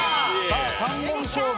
３本勝負。